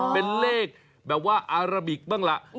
เป็นเลขแบบว่าอาราบิกบ้างล่ะ